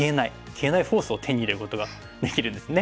消えないフォースを手に入れることができるんですね。